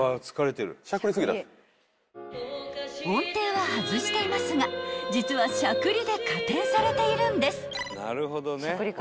［音程は外していますが実はしゃくりで加点されているんです］